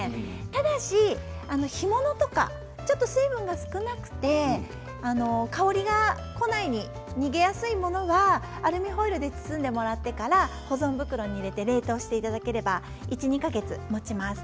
ただし干物とかちょっと水分が少なくて香りが庫内に逃げやすいものはアルミホイルで包んでから保存袋に入れて冷凍していただいて１、２か月もちます。